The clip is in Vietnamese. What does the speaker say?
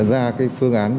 ra phương án